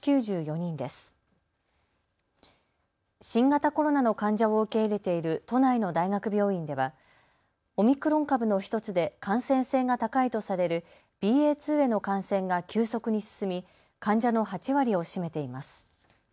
新型コロナの患者を受け入れている都内の大学病院ではオミクロン株の１つで感染性が高いとされるＢＡ．２への感染が急速に進み患者の８割を占めています。